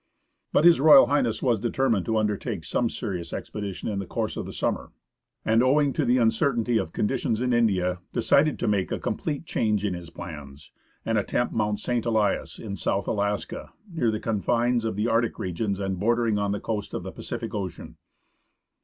But H.R. H, was determined to undertake some serious expe dition in the course of the summer, and, owing to the uncertainty of conditions in India, decided to make a complete change in his plans, and attempt Mount St. Elias in South Alaska, near the 2 FROM TURIN TO SEATTLE confines of the Arctic regions and bordering on tlie coast of the Pacific Ocean.